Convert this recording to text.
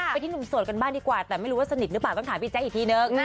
ที่หนุ่มโสดกันบ้างดีกว่าแต่ไม่รู้ว่าสนิทหรือเปล่าต้องถามพี่แจ๊คอีกทีนึง